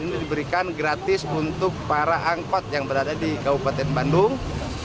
ini diberikan gratis untuk para angkot yang berada di kabupaten bandung